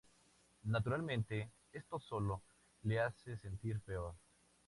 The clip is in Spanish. Naturalmente, esto sólo le hace sentir peor.